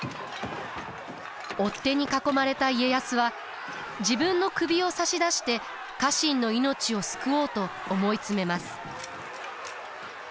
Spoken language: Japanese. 追っ手に囲まれた家康は自分の首を差し出して家臣の命を救おうと思い詰めます。